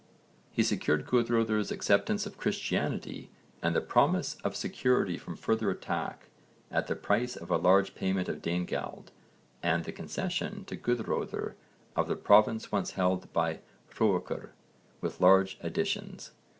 He secured Guðröðr's acceptance of Christianity and the promise of security from further attack at the price of a large payment of Danegeld and the concession to Guðröðr of the province once held by Hroerekr, with large additions.